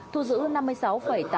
thu giữ năm mươi sáu tám mươi bảy